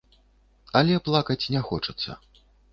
Але плакаць не хочацца.